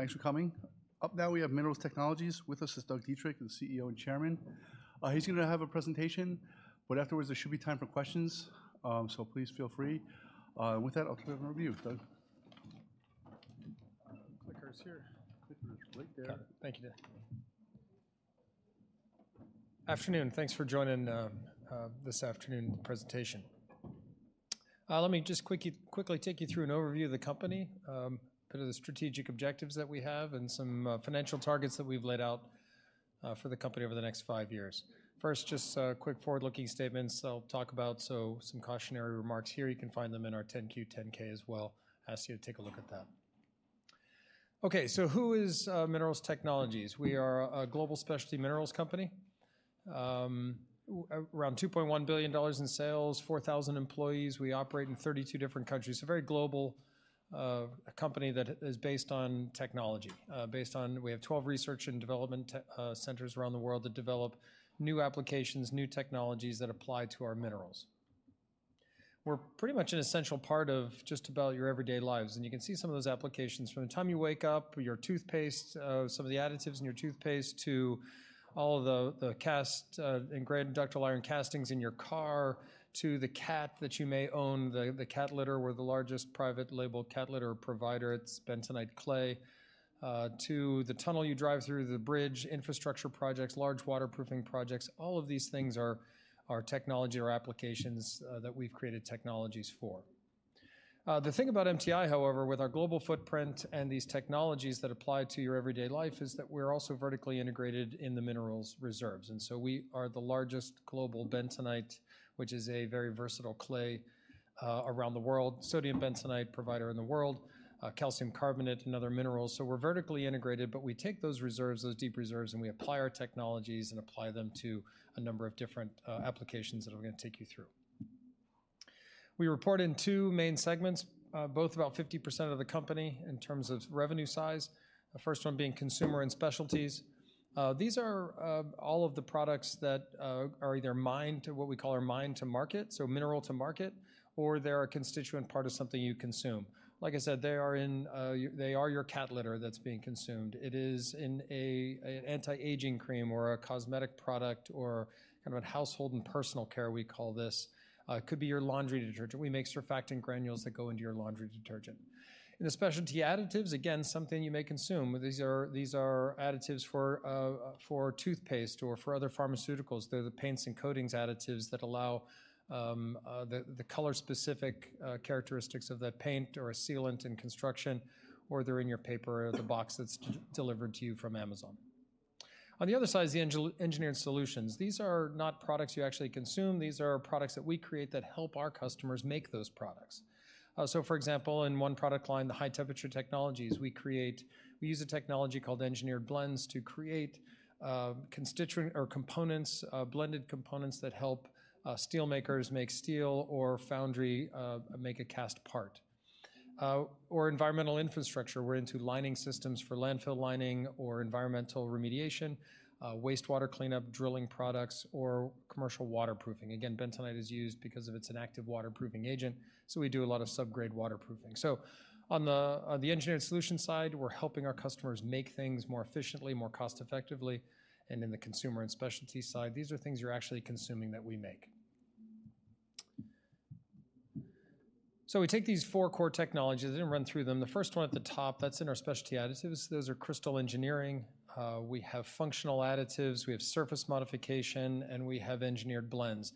Thanks for coming. Up now we have Minerals Technologies. With us is Doug Dietrich, the CEO and Chairman. He's gonna have a presentation, but afterwards, there should be time for questions. So please feel free. With that, I'll turn it over to you, Doug. Clicker's here. Clicker's right there. Thank you, Dan. Afternoon, thanks for joining this afternoon's presentation. Let me just quickly take you through an overview of the company, bit of the strategic objectives that we have, and some financial targets that we've laid out for the company over the next five years. First, just a quick forward-looking statement, so I'll talk about some cautionary remarks here. You can find them in our 10-Q, 10-K as well. Ask you to take a look at that. Okay, so who is Minerals Technologies? We are a global specialty minerals company. Around $2.1 billion in sales, 4,000 employees. We operate in 32 different countries, a very global company that is based on technology. We have 12 research and development centers around the world that develop new applications, new technologies that apply to our minerals. We're pretty much an essential part of just about your everyday lives, and you can see some of those applications. From the time you wake up, your toothpaste, some of the additives in your toothpaste to all of the, the cast, and gray and ductile iron castings in your car to the cat that you may own. The cat litter, we're the largest private label cat litter provider. It's bentonite clay. To the tunnel you drive through, the bridge, infrastructure projects, large waterproofing projects, all of these things are technology or applications that we've created technologies for. The thing about MTI, however, with our global footprint and these technologies that apply to your everyday life, is that we're also vertically integrated in the minerals reserves. And so we are the largest global bentonite, which is a very versatile clay, around the world, sodium bentonite provider in the world, calcium carbonate and other minerals. So we're vertically integrated, but we take those reserves, those deep reserves, and we apply our technologies and apply them to a number of different applications that I'm gonna take you through. We report in two main segments, both about 50% of the company in terms of revenue size. The first one being Consumer & Specialties. These are all of the products that are either mined to what we call our Mine-to-Market, so mineral to market, or they're a constituent part of something you consume. Like I said, they are in, they are your cat litter that's being consumed. It is in an anti-aging cream or a cosmetic product or Household & Personal Care, we call this. It could be your laundry detergent. We make surfactant granules that go into your laundry detergent. In the Specialty Additives, again, something you may consume. These are, these are additives for, for toothpaste or for other pharmaceuticals. They're the paints and coatings additives that allow, the, the color-specific, characteristics of that paint or a sealant in construction, or they're in your paper or the box that's delivered to you from Amazon. On the other side is the Engineered Solutions. These are not products you actually consume. These are products that we create that help our customers make those products. So for example, in one product line, the High Temperature Technologies, we use a technology called Engineered Blends to create constituent or components, blended components that help steelmakers make steel or foundry make a cast part. Or environmental infrastructure. We're into lining systems for landfill lining or environmental remediation, wastewater cleanup, drilling products, or commercial waterproofing. Again, bentonite is used because of it's an active waterproofing agent, so we do a lot of sub-grade waterproofing. So on the engineering solutions side, we're helping our customers make things more efficiently, more cost-effectively. And in the Consumer & Specialties side, these are things you're actually consuming that we make. So we take these four core technologies. I didn't run through them. The first one at the top, that's in our Specialty Additives. Those are Crystal Engineering, we have Functional Additives, we have Surface Modification, and we have Engineered Blends.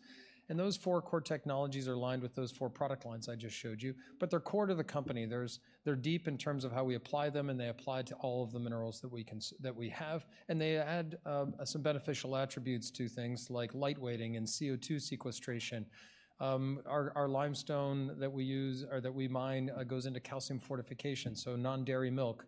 And those four core technologies are lined with those four product lines I just showed you, but they're core to the company. They're deep in terms of how we apply them, and they apply to all of the minerals that we have, and they add some beneficial attributes to things like lightweighting and CO2 sequestration. Our limestone that we use or that we mine goes into calcium fortification, so non-dairy milk,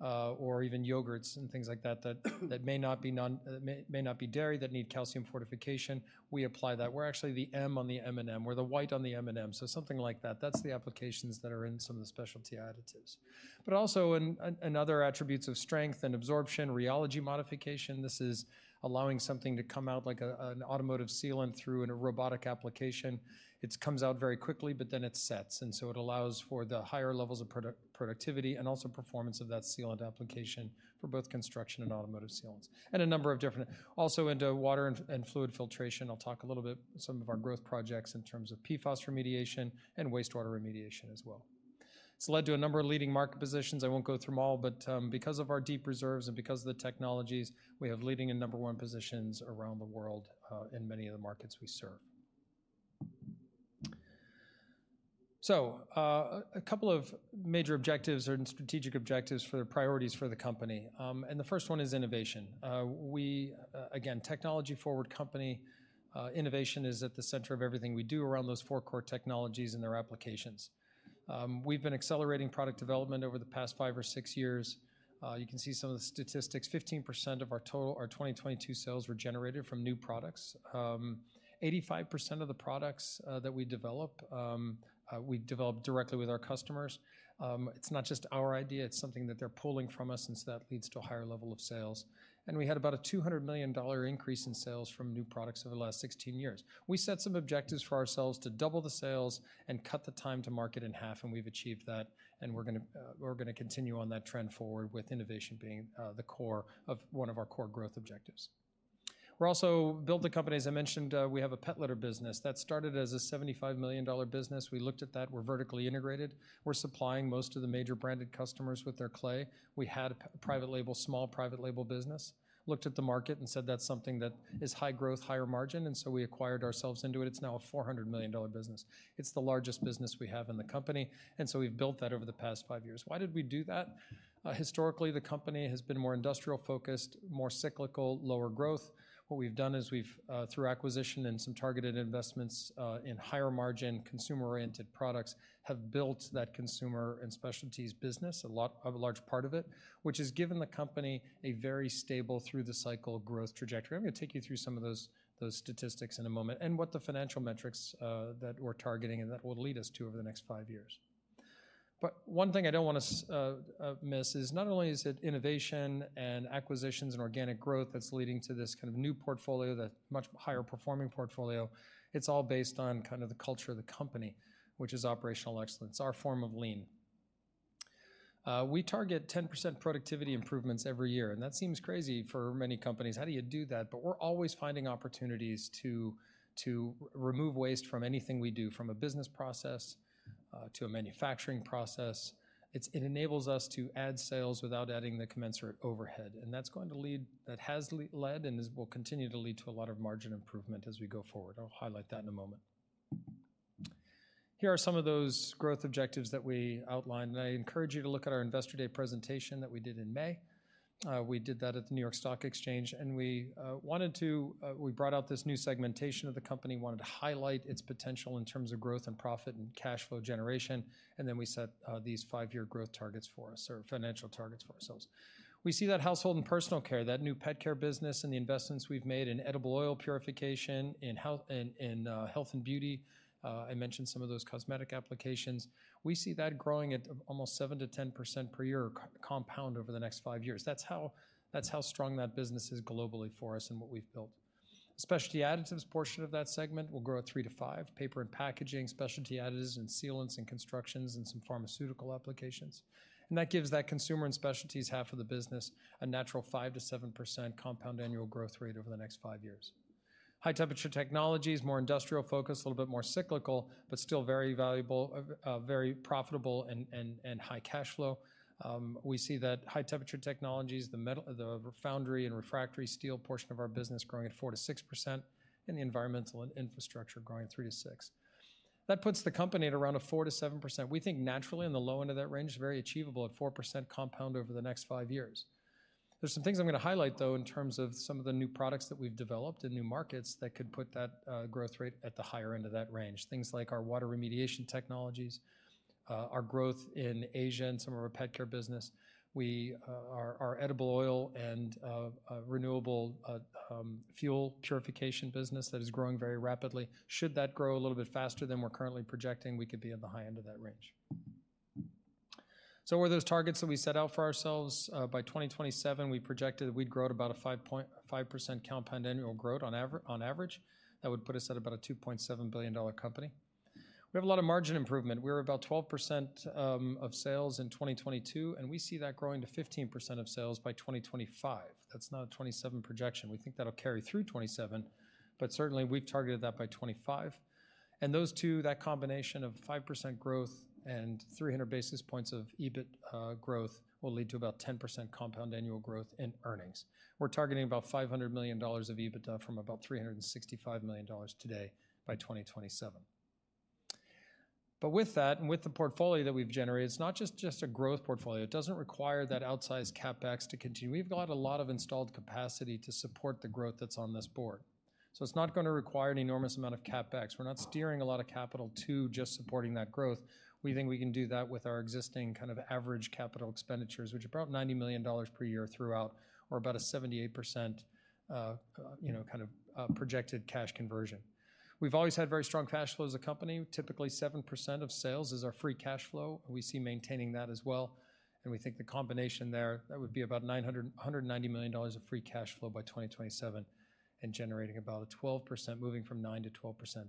or even yogurts and things like that, that may not be dairy, that need calcium fortification. We apply that. We're actually the M on the M&M's. We're the white on the M&M's, so something like that. That's the applications that are in some of the Specialty Additives. But also in, in other attributes of strength and absorption, rheology modification, this is allowing something to come out like a, an automotive sealant through in a robotic application. It's comes out very quickly, but then it sets, and so it allows for the higher levels of productivity and also performance of that sealant application for both construction and automotive sealants. And a number of different-- Also into water and, and fluid filtration. I'll talk a little bit, some of our growth projects in terms of PFAS remediation and wastewater remediation as well. It's led to a number of leading market positions. I won't go through them all, but, because of our deep reserves and because of the technologies, we have leading and number one positions around the world, in many of the markets we serve. So, a couple of major objectives and strategic objectives for the priorities for the company. And the first one is innovation. We, again, technology-forward company, innovation is at the center of everything we do around those four core technologies and their applications. We've been accelerating product development over the past five or six years. You can see some of the statistics. 15% of our total, our 2022 sales were generated from new products. 85% of the products, that we develop, we develop directly with our customers. It's not just our idea, it's something that they're pulling from us, and so that leads to a higher level of sales. We had about a $200 million increase in sales from new products over the last 16 years. We set some objectives for ourselves to double the sales and cut the time to market in half, and we've achieved that, and we're gonna, we're gonna continue on that trend forward with innovation being the core of one of our core growth objectives. We're also built the company, as I mentioned, we have a pet litter business that started as a $75 million business. We looked at that. We're vertically integrated. We're supplying most of the major branded customers with their clay. We had a private label, small private label business, looked at the market and said, "That's something that is high growth, higher margin," and so we acquired ourselves into it. It's now a $400 million business. It's the largest business we have in the company, and so we've built that over the past five years. Why did we do that? Historically, the company has been more industrial focused, more cyclical, lower growth. What we've done is we've through acquisition and some targeted investments in higher margin, consumer-oriented products, have built that Consumer & Specialties business, a lot, a large part of it, which has given the company a very stable through the cycle growth trajectory. I'm gonna take you through some of those statistics in a moment, and what the financial metrics that we're targeting and that will lead us to over the next five years. But one thing I don't wanna miss is not only is it innovation and acquisitions and organic growth that's leading to this kind of new portfolio, that much higher performing portfolio, it's all based on kind of the culture of the company, which is operational excellence, our form of lean. We target 10% productivity improvements every year, and that seems crazy for many companies. How do you do that? But we're always finding opportunities to remove waste from anything we do, from a business process to a manufacturing process. It enables us to add sales without adding the commensurate overhead, and that's going to lead... that has led and will continue to lead to a lot of margin improvement as we go forward. I'll highlight that in a moment. Here are some of those growth objectives that we outlined, and I encourage you to look at our Investor Day presentation that we did in May. We did that at the New York Stock Exchange, and we wanted to, we brought out this new segmentation of the company, wanted to highlight its potential in terms of growth and profit and cash flow generation, and then we set these five-year growth targets for us, or financial targets for ourselves. We see that Household & Personal Care, that new Pet Care business and the investments we've made in edible oil purification, in health and beauty, I mentioned some of those cosmetic applications. We see that growing at almost 7%-10% per year compound over the next five years. That's how, that's how strong that business is globally for us and what we've built. Specialty Additives portion of that segment will grow at 3%-5%. Paper & Packaging, Specialty Additives and sealants and constructions and some pharmaceutical applications, and that gives that Consumer & Specialties half of the business a natural 5%-7% compound annual growth rate over the next five years. High Temperature Technologies, more industrial focused, a little bit more cyclical, but still very valuable, very profitable and high cash flow. We see that High Temperature Technologies, the metal-- the foundry and refractory steel portion of our business growing at 4%-6%, and the Environmental & Infrastructure growing at 3%-6%. That puts the company at around 4%-7%. We think naturally in the low end of that range, very achievable at 4% compound over the next five years. There's some things I'm gonna highlight, though, in terms of some of the new products that we've developed and new markets that could put that growth rate at the higher end of that range. Things like our water remediation technologies, our growth in Asia and some of our Pet Care business. We our our edible oil and renewable fuel purification business, that is growing very rapidly. Should that grow a little bit faster than we're currently projecting, we could be at the high end of that range. So what are those targets that we set out for ourselves? By 2027, we projected we'd grow at about a 5% compound annual growth on average. That would put us at about a $2.7 billion company. We have a lot of margin improvement. We're about 12% of sales in 2022, and we see that growing to 15% of sales by 2025. That's not a 2027 projection. We think that'll carry through 2027, but certainly we've targeted that by 2025. And those two, that combination of 5% growth and 300 basis points of EBIT growth, will lead to about 10% compound annual growth in earnings. We're targeting about $500 million of EBITDA from about $365 million today by 2027. But with that and with the portfolio that we've generated, it's not just a growth portfolio. It doesn't require that outsized CapEx to continue. We've got a lot of installed capacity to support the growth that's on this board. So it's not gonna require an enormous amount of CapEx. We're not steering a lot of capital to just supporting that growth. We think we can do that with our existing kind of average capital expenditures, which are about $90 million per year throughout, or about a 78%, you know, kind of, projected cash conversion. We've always had very strong cash flow as a company. Typically, 7% of sales is our free cash flow. We see maintaining that as well, and we think the combination there, that would be about $990 million of free cash flow by 2027 and generating about 12%, moving from 9%-12%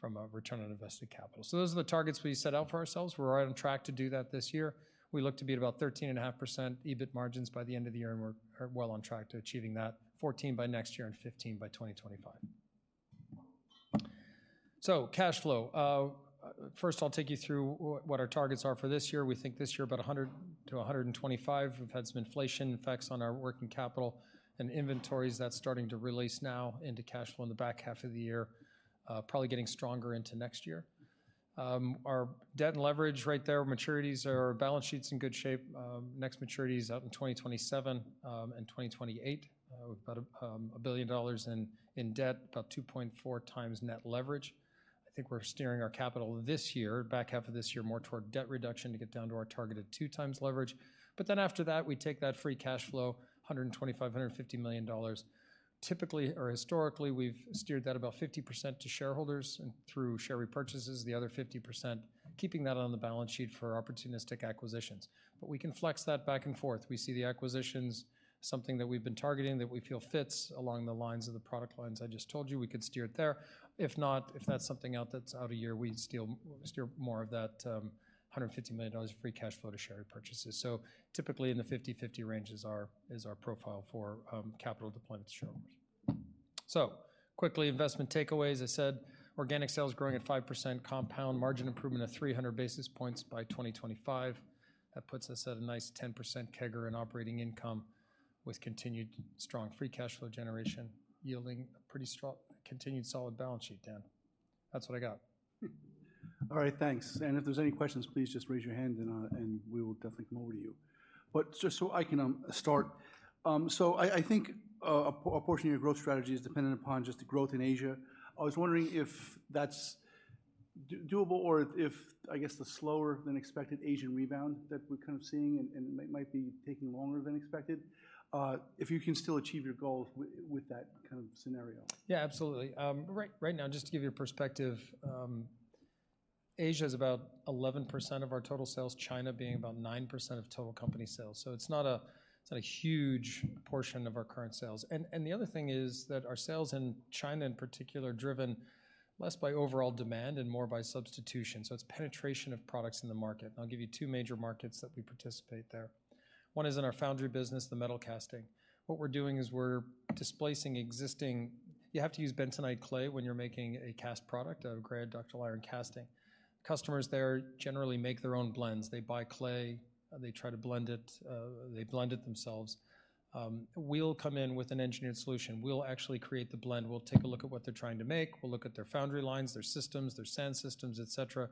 from a return on invested capital. So those are the targets we set out for ourselves. We're right on track to do that this year. We look to be at about 13.5% EBIT margins by the end of the year, and we're well on track to achieving that, 14% by next year and 15% by 2025. So cash flow. First, I'll take you through what our targets are for this year. We think this year, about $100 million-$125 million. We've had some inflation effects on our working capital and inventories. That's starting to release now into cash flow in the back half of the year, probably getting stronger into next year. Our debt and leverage right there, maturities, our balance sheet's in good shape. Next maturity is out in 2027, and 2028. About a billion dollars in debt, about 2.4x net leverage. I think we're steering our capital this year, back half of this year, more toward debt reduction to get down to our targeted 2x leverage. But then after that, we take that free cash flow, $125 million-$150 million. Typically or historically, we've steered that about 50% to shareholders and through share repurchases, the other 50%, keeping that on the balance sheet for opportunistic acquisitions. But we can flex that back and forth. We see the acquisitions, something that we've been targeting that we feel fits along the lines of the product lines I just told you, we could steer it there. If not, if that's something out, that's out of year, we'd steer more of that $150 million of free cash flow to share repurchases. Typically in the 50/50 range is our profile for capital deployment to shareholders. Quickly, investment takeaways. I said organic sales growing at 5%, compound margin improvement of 300 basis points by 2025. That puts us at a nice 10% CAGR in operating income with continued strong free cash flow generation, yielding a pretty strong, continued solid balance sheet, Dan. That's what I got. All right, thanks. And if there's any questions, please just raise your hand, and we will definitely come over to you. But just so I can start, so I think a portion of your growth strategy is dependent upon just the growth in Asia. I was wondering if that's doable or if, I guess, the slower than expected Asian rebound that we're kind of seeing and might be taking longer than expected, if you can still achieve your goals with that kind of scenario? Yeah, absolutely. Right, right now, just to give you a perspective, Asia is about 11% of our total sales, China being about 9% of total company sales. So it's not a, it's not a huge portion of our current sales. And, and the other thing is that our sales in China in particular, are driven less by overall demand and more by substitution, so it's penetration of products in the market. And I'll give you two major markets that we participate there. One is in our foundry business, the Metalcasting. What we're doing is we're displacing existing... You have to use bentonite clay when you're making a cast product out of gray or ductile iron casting. Customers there generally make their own blends. They buy clay, they try to blend it, they blend it themselves. We'll come in with an Engineered Solution. We'll actually create the blend. We'll take a look at what they're trying to make. We'll look at their foundry lines, their systems, their sand systems, et cetera,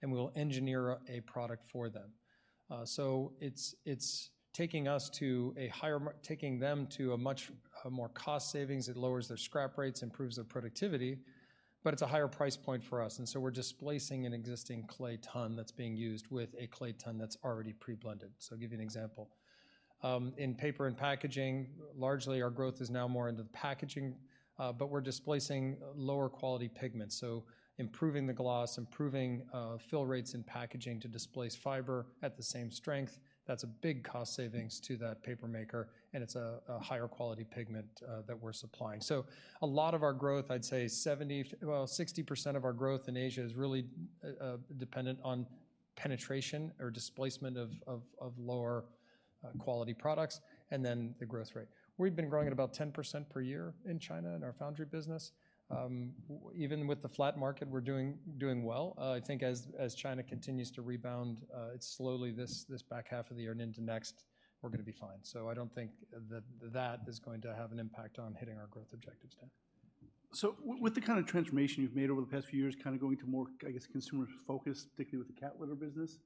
and we'll engineer a product for them. So it's taking them to a much more cost savings. It lowers their scrap rates, improves their productivity, but it's a higher price point for us, and so we're displacing an existing clay ton that's being used with a clay ton that's already pre-blended. So I'll give you an example. In Paper & Packaging, largely, our growth is now more into the packaging, but we're displacing lower quality pigments. So improving the gloss, improving fill rates in packaging to displace fiber at the same strength, that's a big cost savings to that paper maker, and it's a higher quality pigment that we're supplying. So a lot of our growth, I'd say 70%, well, 60% of our growth in Asia is really dependent on penetration or displacement of lower quality products and then the growth rate. We've been growing at about 10% per year in China, in our foundry business. Even with the flat market, we're doing well. I think as China continues to rebound, it's slowly, this back half of the year and into next, we're gonna be fine. So I don't think that is going to have an impact on hitting our growth objectives, Dan. So with the kind of transformation you've made over the past few years, kind of going to more, I guess, consumer focused, particularly with the cat litter business,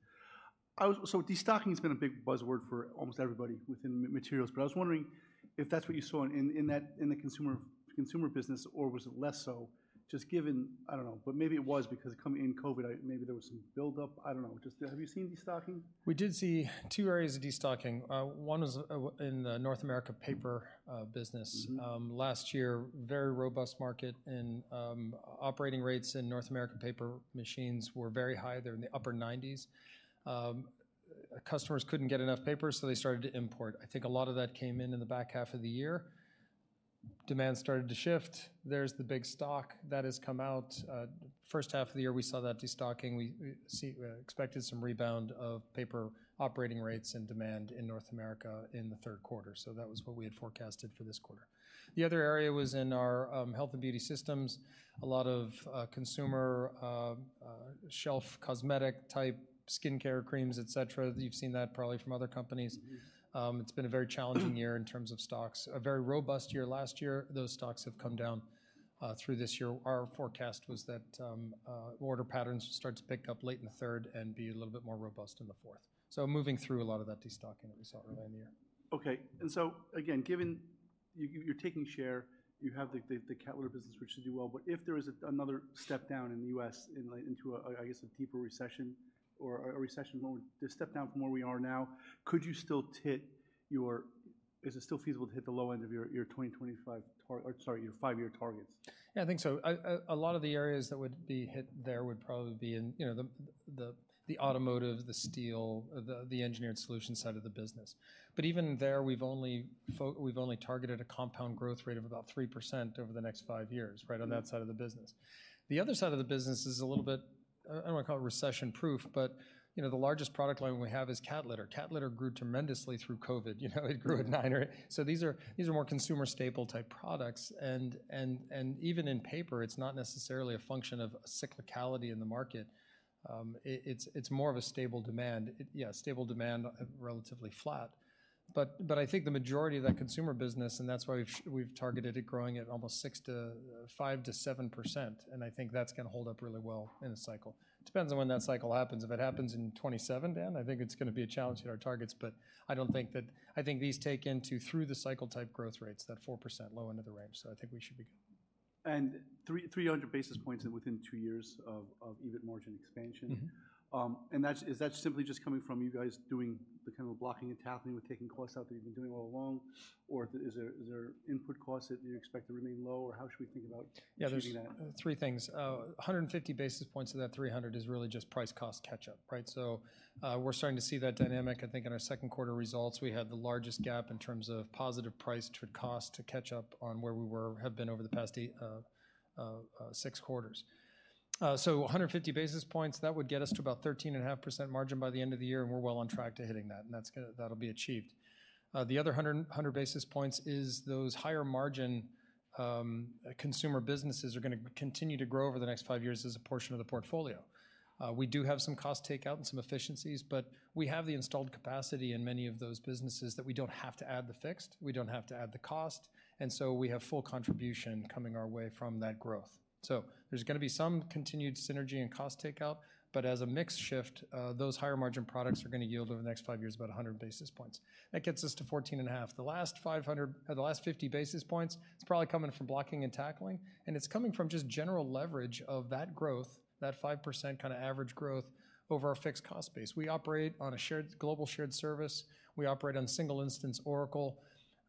I was. So destocking has been a big buzzword for almost everybody within materials, but I was wondering if that's what you saw in that, in the consumer business, or was it less so, just given... I don't know, but maybe it was because coming in COVID, maybe there was some buildup. I don't know. Just, have you seen destocking? We did see two areas of destocking. One was in the North America paper business. Mm-hmm. Last year, very robust market and operating rates in North American paper machines were very high. They're in the upper 90s. Customers couldn't get enough paper, so they started to import. I think a lot of that came in in the back half of the year. Demand started to shift. There's the big stock that has come out. First half of the year, we saw that destocking. We expected some rebound of paper operating rates and demand in North America in the third quarter. So that was what we had forecasted for this quarter. The other area was in our health and beauty systems. A lot of consumer shelf cosmetic type skincare creams, et cetera. You've seen that probably from other companies. Mm-hmm. It's been a very challenging year in terms of stocks. A very robust year last year. Those stocks have come down through this year. Our forecast was that order patterns start to pick up late in the third and be a little bit more robust in the fourth. So moving through a lot of that destocking that we saw early in the year. Okay, and so again, given you, you're taking share, you have the cat litter business, which should do well. But if there is another step down in the U.S. into a, I guess, a deeper recession or a recession moment, the step down from where we are now, could you still hit your— Is it still feasible to hit the low end of your, your 2025 tar— or sorry, your five-year targets? Yeah, I think so. A lot of the areas that would be hit there would probably be in, you know, the automotive, the steel, the Engineered Solution side of the business. But even there, we've only targeted a compound growth rate of about 3% over the next five years, right? Mm... on that side of the business. The other side of the business is a little bit, I don't wanna call it recession-proof, but, you know, the largest product line we have is cat litter. Cat litter grew tremendously through COVID. You know, it grew at nine or... So these are, these are more consumer staple type products, and, and, and even in paper, it's not necessarily a function of cyclicality in the market. It, it's, it's more of a stable demand. Yeah, stable demand, relatively flat. But, but I think the majority of that consumer business, and that's why we've, we've targeted it growing at almost 6% to 5% to 7%, and I think that's gonna hold up really well in a cycle. Depends on when that cycle happens. If it happens in 2027, Dan, I think it's gonna be a challenge to hit our targets, but I don't think that- I think these take into through the cycle type growth rates, that 4% low end of the range, so I think we should be good. And three, 300 basis points within two years of EBIT margin expansion. Mm-hmm. And that's. Is that simply just coming from you guys doing the kind of blocking and tackling with taking costs out that you've been doing all along, or is there, is there input costs that you expect to remain low, or how should we think about- Yeah... achieving that? Three things. 150 basis points of that 300 basis points is really just price-cost catch-up, right? So, we're starting to see that dynamic. I think in our second quarter results, we had the largest gap in terms of positive price to cost to catch up on where we were, have been over the past six quarters. So 150 basis points, that would get us to about 13.5% margin by the end of the year, and we're well on track to hitting that, and that's gonna, that'll be achieved. The other 100 basis points is those higher margin consumer businesses are gonna continue to grow over the next five years as a portion of the portfolio. We do have some cost takeout and some efficiencies, but we have the installed capacity in many of those businesses that we don't have to add the fixed, we don't have to add the cost, and so we have full contribution coming our way from that growth. So there's gonna be some continued synergy and cost takeout, but as a mix shift, those higher margin products are gonna yield over the next five years about 100 basis points. That gets us to 14.5. The last 50 basis points is probably coming from blocking and tackling, and it's coming from just general leverage of that growth, that 5% kinda average growth over our fixed cost base. We operate on a shared, global shared service. We operate on single instance Oracle.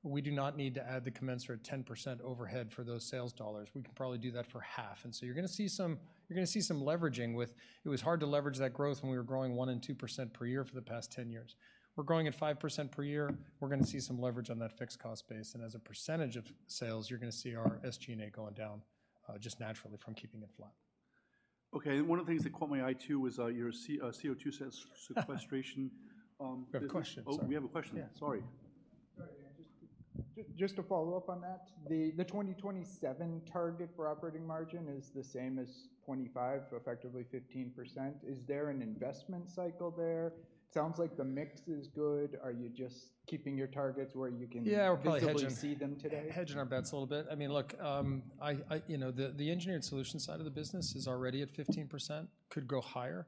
We do not need to add the commensurate 10% overhead for those sales dollars. We can probably do that for half, and so you're gonna see some, you're gonna see some leveraging with... It was hard to leverage that growth when we were growing 1% and 2% per year for the past 10 years. We're growing at 5% per year. We're gonna see some leverage on that fixed cost base, and as a percentage of sales, you're gonna see our SG&A going down, just naturally from keeping it flat. Okay, one of the things that caught my eye too was your CO2 sequestration. We have a question, sorry. Oh, we have a question. Yeah. Sorry. Sorry, yeah, just to follow up on that, the 2027 target for operating margin is the same as 2025, effectively 15%. Is there an investment cycle there? Sounds like the mix is good. Are you just keeping your targets where you can- Yeah, we're probably hedging- visibly see them today?... hedging our bets a little bit. I mean, look, I, you know, the Engineered Solutions side of the business is already at 15%, could go higher.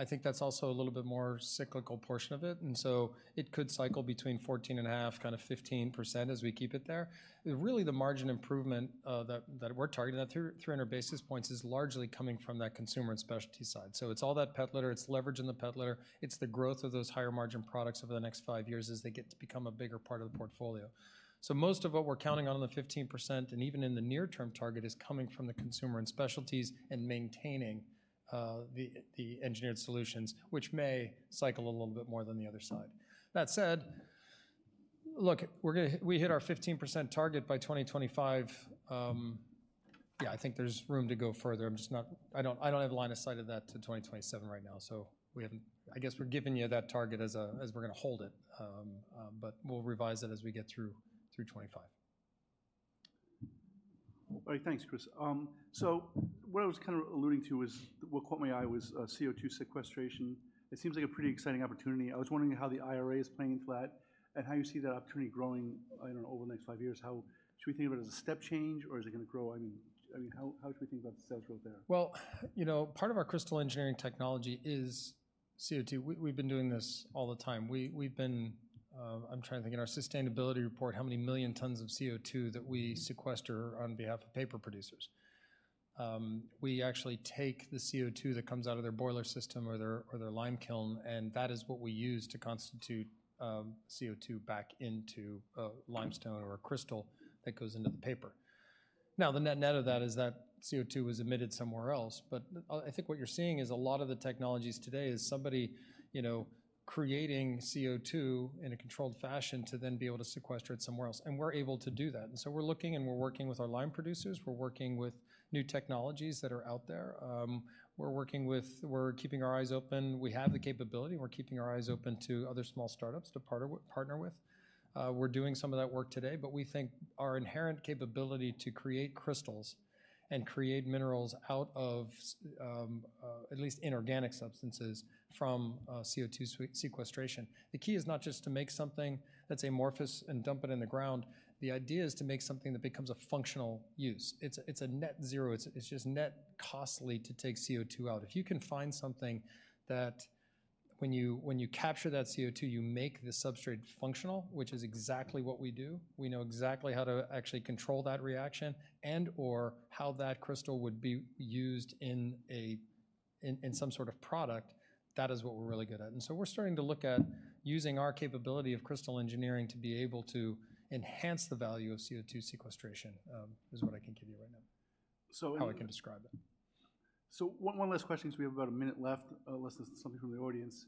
I think that's also a little bit more cyclical portion of it, and so it could cycle between 14.5%-15% as we keep it there. Really, the margin improvement, that we're targeting, that 300 basis points, is largely coming from that Consumer & Specialties side. So it's all that pet litter, it's leverage in the pet litter, it's the growth of those higher margin products over the next five years as they get to become a bigger part of the portfolio. So most of what we're counting on in the 15%, and even in the near term target, is coming from the Consumer & Specialties and maintaining the Engineered Solutions, which may cycle a little bit more than the other side. That said, look, we're gonna—we hit our 15% target by 2025. Yeah, I think there's room to go further. I'm just not—I don't, I don't have a line of sight of that to 2027 right now, so we haven't—I guess we're giving you that target as a, as we're gonna hold it. But we'll revise it as we get through 2025. All right, thanks, Chris. So what I was kind of alluding to was, what caught my eye was, CO2 sequestration. It seems like a pretty exciting opportunity. I was wondering how the IRA is playing into that and how you see that opportunity growing, I don't know, over the next five years. How should we think of it as a step change, or is it gonna grow? I mean, how should we think about the sales growth there? Well, you know, part of our Crystal Engineering technology is CO2. We've been doing this all the time. I'm trying to think. In our sustainability report, how many million tons of CO2 that we sequester on behalf of paper producers. We actually take the CO2 that comes out of their boiler system or their lime kiln, and that is what we use to constitute CO2 back into limestone or a crystal that goes into the paper. Now, the net-net of that is that CO2 was emitted somewhere else, but I think what you're seeing is a lot of the technologies today is somebody, you know, creating CO2 in a controlled fashion to then be able to sequester it somewhere else, and we're able to do that. And so we're looking and we're working with our lime producers. We're working with new technologies that are out there. We're keeping our eyes open. We have the capability, and we're keeping our eyes open to other small startups to partner with, partner with. We're doing some of that work today, but we think our inherent capability to create crystals and create minerals out of at least inorganic substances from CO2 sequestration. The key is not just to make something that's amorphous and dump it in the ground. The idea is to make something that becomes a functional use. It's a net zero. It's just net costly to take CO2 out. If you can find something that when you capture that CO2, you make the substrate functional, which is exactly what we do, we know exactly how to actually control that reaction and/or how that crystal would be used in a, in some sort of product, that is what we're really good at. And so we're starting to look at using our capability of Crystal Engineering to be able to enhance the value of CO2 sequestration, is what I can give you right now. So- How I can describe it. So one last question, because we have about a minute left, unless there's something from the audience.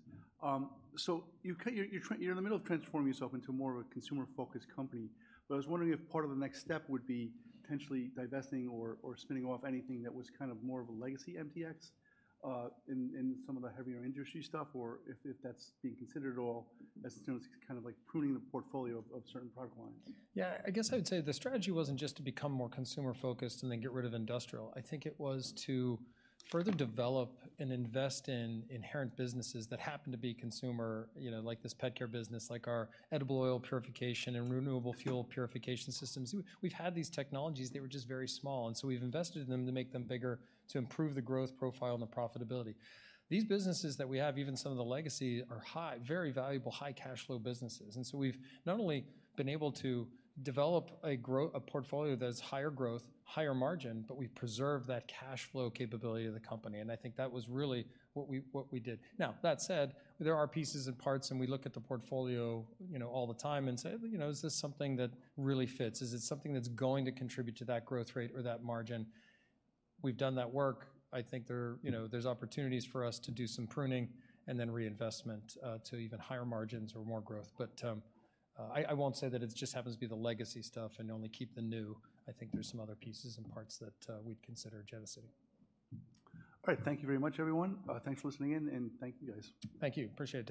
So you're in the middle of transforming yourself into more of a consumer-focused company, but I was wondering if part of the next step would be potentially divesting or spinning off anything that was kind of more of a legacy MTX in some of the heavier industry stuff, or if that's being considered at all in terms of kind of like pruning the portfolio of certain product lines? Yeah, I guess I'd say the strategy wasn't just to become more consumer-focused and then get rid of industrial. I think it was to further develop and invest in inherent businesses that happen to be consumer, you know, like this Pet Care business, like our edible oil purification and renewable fuel purification systems. We've, we've had these technologies. They were just very small, and so we've invested in them to make them bigger, to improve the growth profile and the profitability. These businesses that we have, even some of the legacy, are high, very valuable, high cash flow businesses. And so we've not only been able to develop a portfolio that is higher growth, higher margin, but we've preserved that cash flow capability of the company, and I think that was really what we, what we did. Now, that said, there are pieces and parts, and we look at the portfolio, you know, all the time and say, "You know, is this something that really fits? Is it something that's going to contribute to that growth rate or that margin?" We've done that work. I think there are, you know, there's opportunities for us to do some pruning and then reinvestment to even higher margins or more growth. But I won't say that it just happens to be the legacy stuff and only keep the new. I think there's some other pieces and parts that we'd consider jettisoning. All right. Thank you very much, everyone. Thanks for listening in, and thank you, guys. Thank you. Appreciate it.